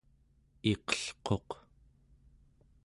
iqelquq